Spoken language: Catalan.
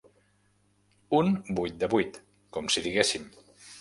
Un vuit de vuit, com si diguéssim.